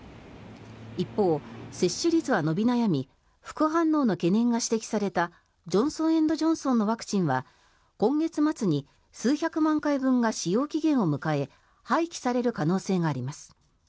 一方、接種率は伸び悩み副反応の懸念が指摘されたジョンソン・エンド・ジョンソンのワクチンは今月末に数百万回分が使用期限を迎え廃棄される可能性があります。